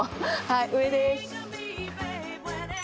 上です。